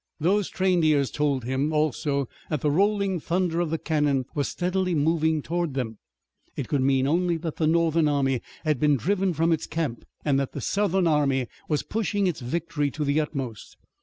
Those trained ears told him also that the rolling thunder of the cannon was steadily moving toward them. It could mean only that the Northern army had been driven from its camp and that the Southern army was pushing its victory to the utmost.